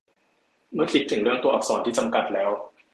เมื่อคิดถึงเรื่องตัวอักษรที่จำกัดแล้ว